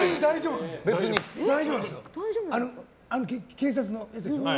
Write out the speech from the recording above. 警察のやつですね。